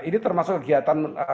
ini termasuk kegiatan